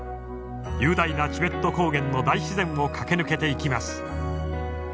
雄大なチベット高原の大自然を駆け抜けていきます。